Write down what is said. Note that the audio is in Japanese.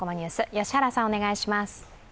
良原さん、お願いします。